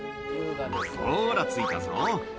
ほーら、着いたぞ。